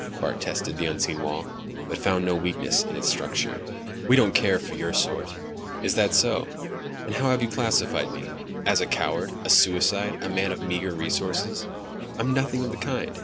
Bart tested the unseen wall, but found no weakness in its structure. "We don't care for your sort." "Is that so. And how have you classified me?" "As a coward. A suicide. A man of meager resources." "I'm nothing of the kind.